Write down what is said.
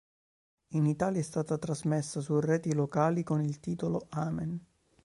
In Italia è stata trasmessa su reti locali con il titolo "Amen".